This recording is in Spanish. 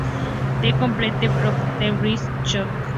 The Complete Book of the British Charts.